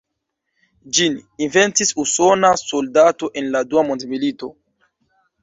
Ĝin inventis usona soldato en la Dua mondmilito.